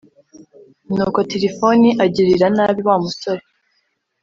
nuko tirifoni agirira nabi wa musore